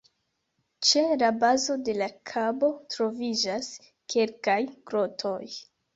Ĉe la bazo de la kabo troviĝas kelkaj grotoj.